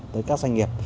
tới các doanh nghiệp